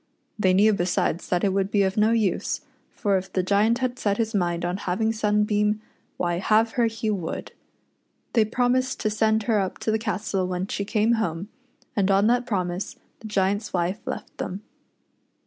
They knew besides that it would be of no use, for if the Giant had set his mind on having Sunbeam, why have her he would. They promised to send her up to the castle when she came home, and on that promise the Giant's wife left them.